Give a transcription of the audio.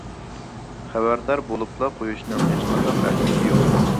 خەۋەردار بولۇپلا قويۇشنىڭ ھېچقانچە ئەھمىيىتى يوق.